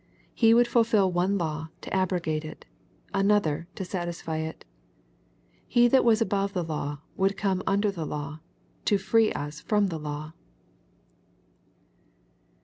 He would fulfil one law, to abrogate it ; another, to satisfy it He that was above the law, would come under the law, to free us from the law."